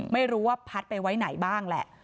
ไม่รู้ว่าพัดไปไว้ไหนบ้างแหละ